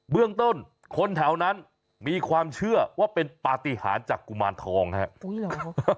เรื่องต้นคนแถวนั้นมีความเชื่อว่าเป็นปฏิหารจากกุมารทองครับ